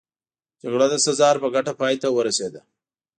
جګړه د سزار په ګټه پای ته ورسېده